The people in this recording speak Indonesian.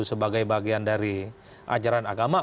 sebagai bagian dari ajaran agama